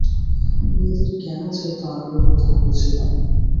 মেয়েদের কেন যে এত আগ্রহ তাহা বুঝিলাম।